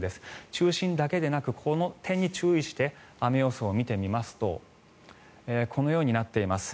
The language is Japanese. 中心だけでなくこの点に注意して雨予想を見てみますとこのようになっています。